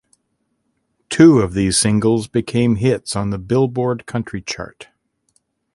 Two of these singles became hits on the "Billboard" country chart.